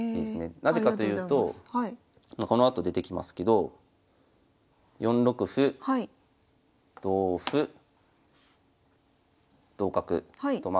なぜかというとこのあと出てきますけど４六歩同歩同角とまあ